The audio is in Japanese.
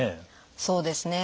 そうですね。